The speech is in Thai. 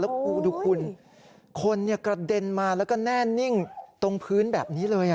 แล้วดูคุณคนกระเด็นมาแล้วก็แน่นิ่งตรงพื้นแบบนี้เลย